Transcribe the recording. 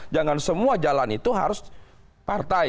jangan semua jalan itu harus partai